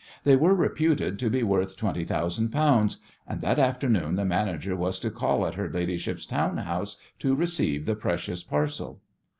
They were reputed to be worth twenty thousand pounds, and that afternoon the manager was to call at her ladyship's town house to receive the precious parcel.